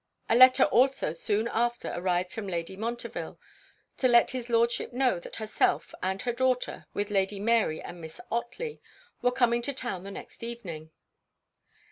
A letter also soon after arrived from Lady Montreville, to let his Lordship know that herself and her daughter, with Lady Mary and Miss Otley, were coming to town the next evening.